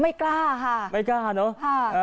ไม่กล้าค่ะไม่กล้าเนอะ